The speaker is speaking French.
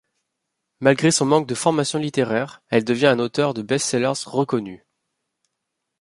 Malgré son manque de formation littéraire, elle devient un auteur de best-sellers reconnu.